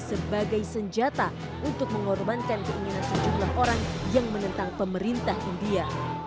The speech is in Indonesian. sebagai senjata untuk mengorbankan keinginan sejumlah orang yang menentang pemerintah india